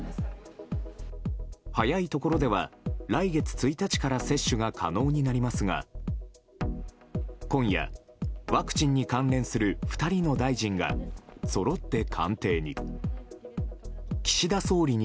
早いところでは、来月１日から接種が可能になりますが今夜、ワクチンに関連する２人の大臣がそろって官邸に。